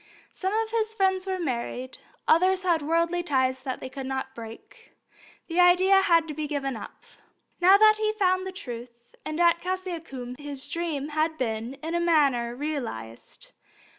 Some of his friends were married; others had worldly ties that they could not break. The idea had to be given up. Now he had found the Truth, and at Cassiacum his dream had been in a manner realized.